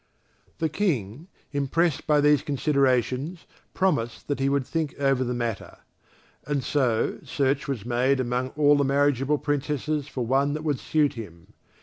The King, impressed by these considerations, promised that he would think over the matter. And so search was made among all the marriageable Princesses for one that would suit him.